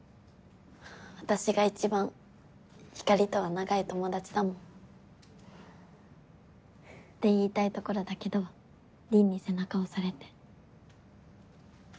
私が一番ひかりとは長い友達だもん。って言いたいところだけど凛に背中押されて。